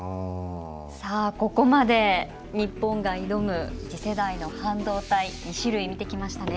さあここまで日本が挑む次世代の半導体２種類見てきましたね。